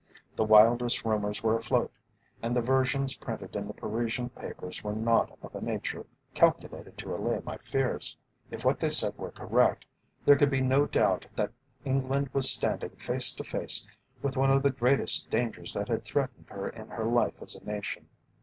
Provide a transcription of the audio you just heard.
The wildest rumours were afloat, and the versions printed in the Parisian papers were not of a nature calculated to allay my fears. If what they said were correct there could be no doubt that England was standing face to face with one of the greatest dangers that had threatened her in her life as a nation.